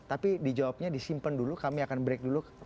tapi di jawabnya disimpan dulu kami akan break dulu